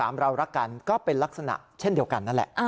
เรารักกันก็เป็นลักษณะเช่นเดียวกันนั่นแหละ